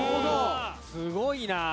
すごいな！